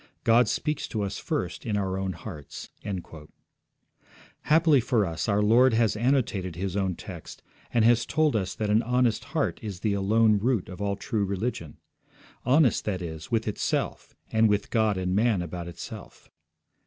God speaks to us first in our own hearts.' Happily for us our Lord has annotated His own text and has told us that an honest heart is the alone root of all true religion. Honest, that is, with itself, and with God and man about itself.